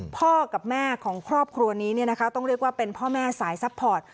พ่อกับแม่ของครอบครัวนี้ต้องเรียกว่าเป็นพ่อแม่สายซัพพอร์ต